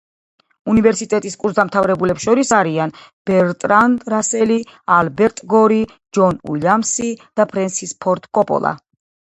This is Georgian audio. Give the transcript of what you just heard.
უნივერსიტეტის კურსდამთავრებულებს შორის არიან: ბერტრან რასელი, ალბერტ გორი, ჯონ უილიამსი და ფრენსის ფორდ კოპოლა.